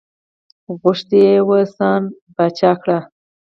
غوښتي یې وو ځان پاچا کړي.